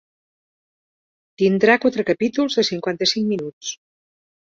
Tindrà quatre capítols de cinquanta-cinc minuts.